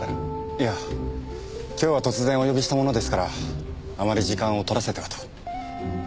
いや今日は突然お呼びしたものですからあまり時間を取らせてはと。